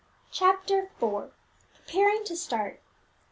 CHAPTER IV. PREPARING TO START.